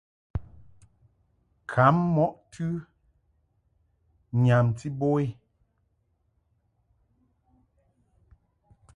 Kam mɔʼ tɨ nyamti bo i.